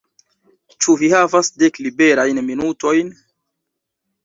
Ĉu vi havas dek liberajn minutojn?